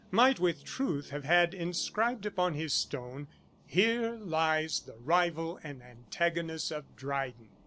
might with truth have had inscribed upon his stone: "Here lies the Rival and Antagonist of Dryden."'